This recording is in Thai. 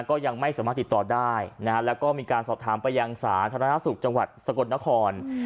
ก็ยังไม่สามารถติดต่อได้นะฮะแล้วก็มีการสอบถามไปยังสาธารณสุขจังหวัดสกลนคร